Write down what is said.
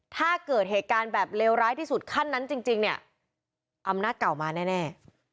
ถ้าเกิดเหตุการณ์แบบเลวร้ายที่สุดขั้นนั้นจริงเนี่ยอำนาจเก่ามาแน่